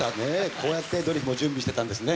こうやってドリフも準備してたんですね。